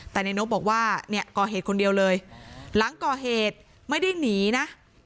แต่ในนกบอกว่าเนี่ยก่อเหตุคนเดียวเลยหลังก่อเหตุไม่ได้หนีนะ